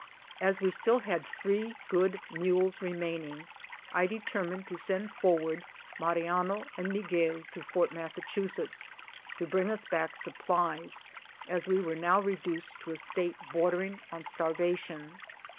As we still had three good mules remaining, I determ ined to send forward Mariano and Miguel to Fort Massa chusetts, to bring us back supplies, as we were now reduced to a state bordering on starvation.